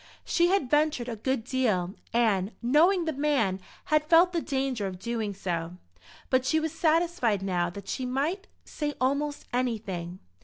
She had ventured a good deal, and, knowing the man, had felt the danger of doing so; but she was satisfied now that she might say almost anything.